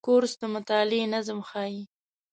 کورس د مطالعې نظم ښيي.